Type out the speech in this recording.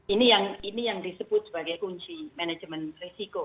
ini yang disebut sebagai kunci manajemen risiko